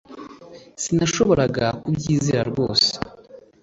sinashoboraga kubyizera rwose